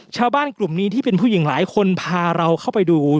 ชาวบ้านกลุ่มนี้ที่เป็นผู้หญิงหลายคนพาเราเข้าไปดู